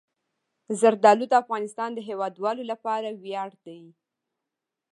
زردالو د افغانستان د هیوادوالو لپاره ویاړ دی.